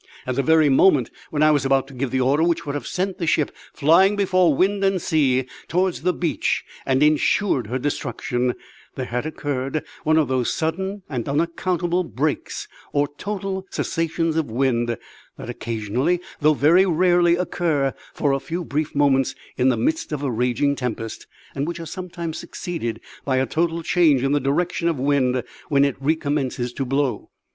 At the very moment when I was about to give the order which would have sent the ship flying before wind and sea towards the beach, and insured her destruction, there had occurred one of those sudden and unaccountable "breaks," or total cessations of wind, that occasionally, though very rarely, occur for a few brief moments in the midst of a raging tempest, and which are sometimes succeeded by a total change in the direction of the wind when it recommences to blow.